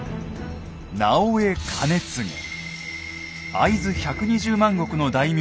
会津１２０万石の大名